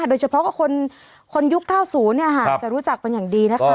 โดยเฉพาะกับคนยุค๙๐เนี่ยอาหารจะรู้จักมันอย่างดีนะคะ